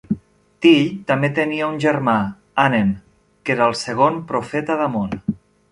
Tiy també tenia un germà, Anen, que era el segon profeta d'Amon.